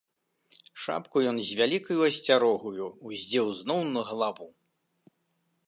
Шапку ён з вялікаю асцярогаю ўздзеў зноў на галаву.